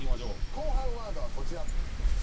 後半ワードはこちら。